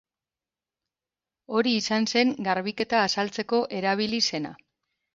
Hori izan zen garbiketa azaltzeko erabili zena.